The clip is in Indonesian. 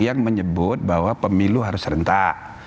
yang menyebut bahwa pemilu harus rentak